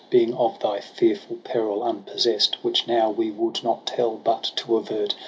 Being of thy fearful peril unpossest ^ Which now we would not tell but to avert.